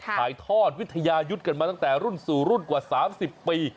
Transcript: ถ่ายทอดวิทยายุทธ์กันมาตั้งแต่รุ่นสู่รุ่นกว่า๓๐ปี